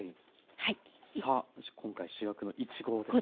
さあ今回主役のいちごですね。